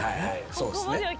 そうっすね。